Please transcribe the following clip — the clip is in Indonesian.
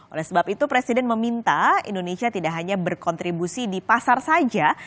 oleh sebab itu presiden meminta indonesia tidak hanya berkontribusi di pasar saja